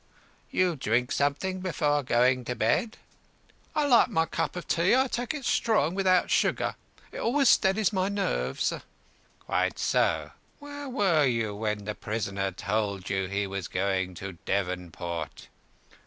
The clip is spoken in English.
"You drink something before going to bed?" "I like my cup o' tea. I take it strong, without sugar. It always steadies my nerves." "Quite so. Where were you when the prisoner told you he was going to Devonport?"